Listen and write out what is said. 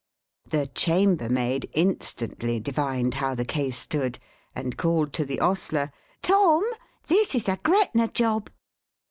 The chambermaid instantly divined how the case stood, and called to the ostler, "Tom, this is a Gretna job!"